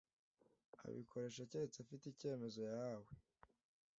abikoresha keretse afite icyemezo yahawe